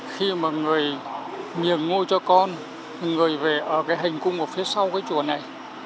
khi mà người nhường ngôi cho con người về ở cái hành cung ở phía sau cái chùa này